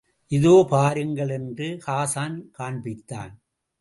இதோ பாருங்கள் என்று ஹாஸான் காண்பித்தான்.